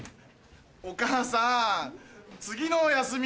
お母さん次の休み